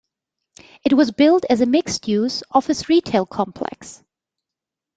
It was built as a mixed-use office-retail complex.